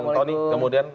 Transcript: dan tony kemudian